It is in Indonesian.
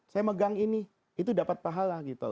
saya megang ini itu dapat pahala gitu